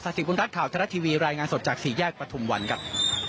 ศักดิ์สิทธิ์คุณรัฐข่าวทลัททีวีรายงานสดจากสี่แยกประทุมวันครับ